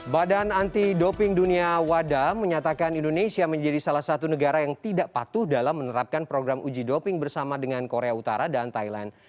badan anti doping dunia wada menyatakan indonesia menjadi salah satu negara yang tidak patuh dalam menerapkan program uji doping bersama dengan korea utara dan thailand